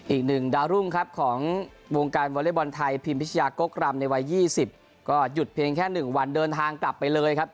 อีกหนึ่งดาวรุ่งครับของวงการวอเล็กบอลไทยพิมพิชยากกรำในวัย๒๐ก็หยุดเพียงแค่๑วันเดินทางกลับไปเลยครับ